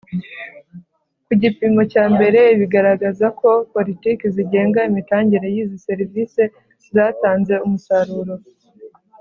ku gipimo cyambere Ibi bigaragaza ko politiki zigenga imitangire y izi serivisi zatanze umusaruro